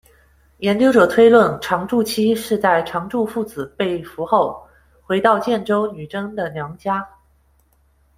研究者推论常柱妻是在常柱父子被俘后，回到建州女真的娘家。